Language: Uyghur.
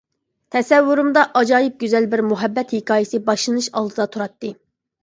تەسەۋۋۇرۇمدا ئاجايىپ گۈزەل بىر مۇھەببەت ھېكايىسى باشلىنىش ئالدىدا تۇراتتى.